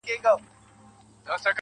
د هغه هر وخت د ښکلا خبر په لپه کي دي.